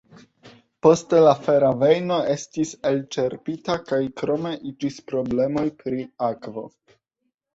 Poste la fera vejno estis elĉerpita kaj krome iĝis problemoj pri akvo.